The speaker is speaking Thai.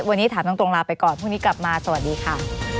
วันนี้ถามตรงลาไปก่อนพรุ่งนี้กลับมาสวัสดีค่ะ